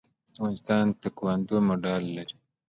د افغانستان تکواندو مډال لري